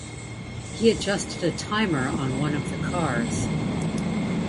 He adjusted a timer on one of the cars.